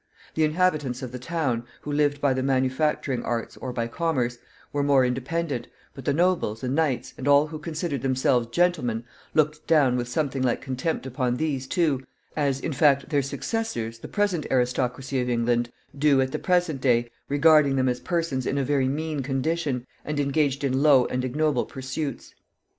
The inhabitants of the towns, who lived by the manufacturing arts or by commerce, were more independent, but the nobles, and knights, and all who considered themselves gentlemen looked down with something like contempt upon these too, as, in fact, their successors, the present aristocracy of England, do at the present day, regarding them as persons in a very mean condition, and engaged in low and ignoble pursuits.